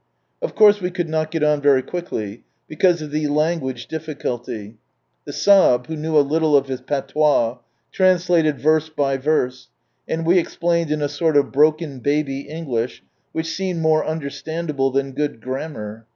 Of course we could not get on very quickly, because of the language difficulty. The Sahib, who knew a little of his patois, translated verse by verse, and we ex plained in a sort of broken baby English, which seemed more understandable than good Grammar.